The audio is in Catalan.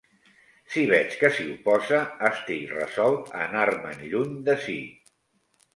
Si veig que s'hi oposa, estic resolt a anar-men lluny d'ací.